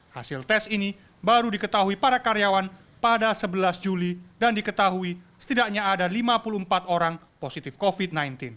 hasil tes ini baru diketahui para karyawan pada sebelas juli dan diketahui setidaknya ada lima puluh empat orang positif covid sembilan belas